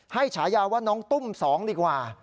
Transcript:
ฉายาว่าน้องตุ้ม๒ดีกว่า